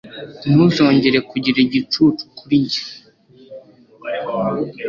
ntuzongera kugira igicucu kuri njye